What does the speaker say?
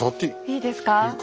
いいですか？